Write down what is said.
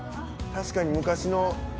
確かに昔の。